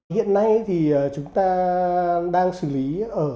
hiện nay thì chúng ta đang xử lý ở